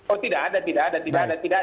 oh tidak ada tidak ada tidak ada tidak